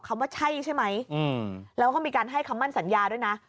ว่าใช่ใช่ไหมแล้วก็มีการให้คำมั่นสัญญาด้วยนะ